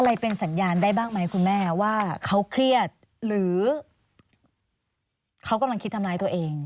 เป็นสัญญาณได้บ้างไหมคุณแม่ว่าเขาเครียดหรือเขากำลังคิดทำร้ายตัวเอง